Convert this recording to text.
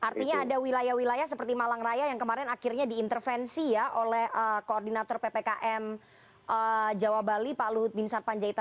artinya ada wilayah wilayah seperti malang raya yang kemarin akhirnya diintervensi ya oleh koordinator ppkm jawa bali pak luhut bin sarpanjaitan